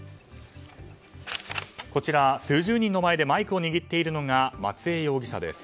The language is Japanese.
こちら、数十人の前でマイクを握っているのが松江容疑者です。